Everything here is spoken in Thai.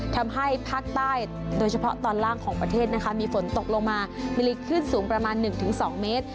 ทำให้ภาคใต้โดยเฉพาะตอนล่างของประเทศนะคะมีฝนตกลงมามีลิกขึ้นสูงประมาณ๑๒เมตร